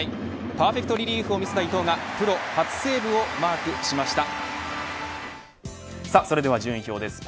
パーフェクトリリーフを見せた伊藤がプロ初セーブをマークしました。